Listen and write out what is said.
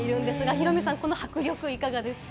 ヒロミさん、この迫力はいかがですか？